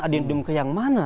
adendum ke yang mana